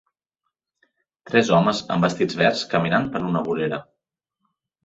Tres homes amb vestits verds caminant per una vorera.